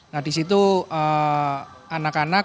nah di situ anak anak